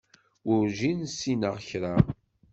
Werǧin ssineɣ kra.